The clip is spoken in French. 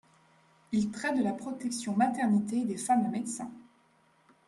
Il traite de la protection maternité des femmes médecins.